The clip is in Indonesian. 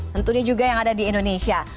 tentunya juga yang ada di indonesia